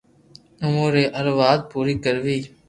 اوون ري ھر وات پوري ڪروي